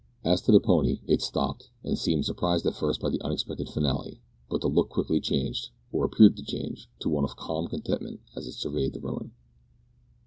As to the pony, it stopped, and seemed surprised at first by the unexpected finale, but the look quickly changed or appeared to change to one of calm contentment as it surveyed the ruin.